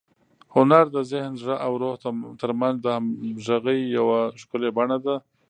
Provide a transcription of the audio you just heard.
هنر د ذهن، زړه او روح تر منځ د همغږۍ یوه ښکلي بڼه ده.